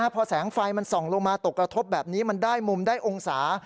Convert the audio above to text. พอแสงไฟมันส่องลงมาตกกระทบแบบนี้มันได้มุมได้องศา